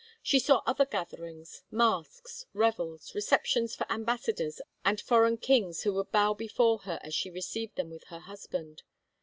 She saw other gatherings, masks, revels, receptions for ambassadors and foreign kings who would bow before her as she received them with her husband.